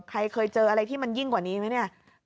ใครเคยเจออะไรที่มันยิ่งกว่านี้ไหมเนี่ย